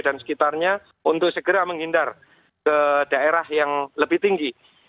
dan sekitarnya untuk segera menghindar ke daerah yang lebih tinggi